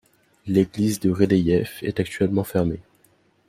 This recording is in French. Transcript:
L’église de Redeyef est actuellement fermée.